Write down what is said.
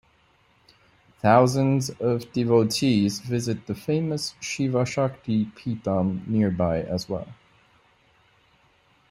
Thousands of devotees visit the famous Shiva Shakti Peetham nearby as well.